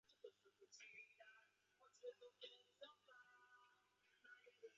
电影没有明确提及被指种族灭绝亚美尼亚人的土耳其。